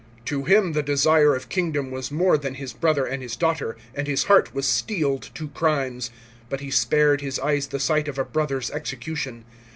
" To him the desire of kingdom was more than his brother and his daughter, and his heart was steeled to crimes. But he spared his eyes the sight of a brother's execution.